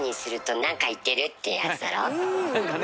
何かね